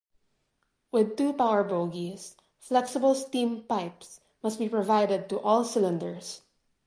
With two power bogies, flexible steam pipes must be provided to all cylinders.